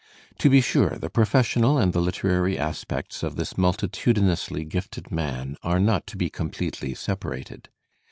To be sure, the professional and the literary aspects of this multitudinously gifted man are not to be completely separated.